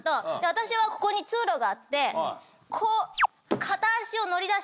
私はここに通路があってこう。